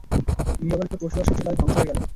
গৃহপালিত পশু আর শষ্য তাতে ধ্বংস হয়ে গেল।